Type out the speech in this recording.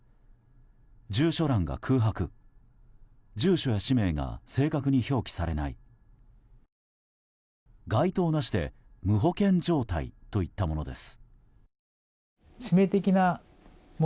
住所欄が空白住所や氏名が正確に表記されない該当なしで無保険状態といったものです。